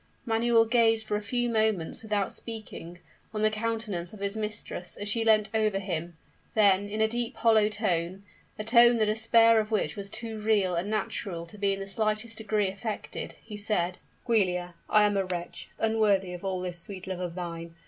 Manuel gazed for a few moments, without speaking, on the countenance of his mistress as she leant over him: then, in a deep, hollow tone a tone the despair of which was too real and natural to be in the slightest degree affected, he said, "Giulia, I am a wretch, unworthy of all this sweet love of thine!